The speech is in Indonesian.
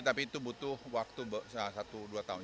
tapi itu butuh waktu satu dua tahun